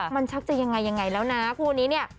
มันชักจะยังไงแล้วนะครูนี้เนี่ย